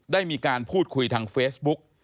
ได้มีการพูดคุยทางเฟซบุ๊ก